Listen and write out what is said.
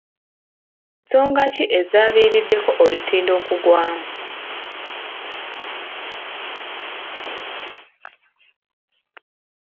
Nsonga ki ezaaviiriddeko olutindo okugwamu?